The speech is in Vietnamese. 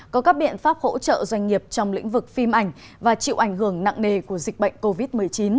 có các biện pháp hỗ trợ doanh nghiệp trong lĩnh vực phim ảnh và chịu ảnh hưởng nặng nề của dịch bệnh covid một mươi chín